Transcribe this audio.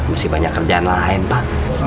masih banyak kerjaan lain pak